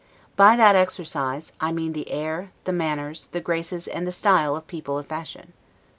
By that exercise, I mean the air, the manners, the graces, and the style of people of fashion.